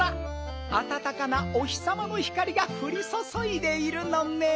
あたたかなお日さまのひかりがふりそそいでいるのねん。